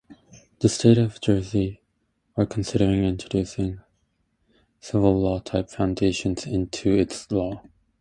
The States of Jersey are considering introducing civil law type foundations into its law.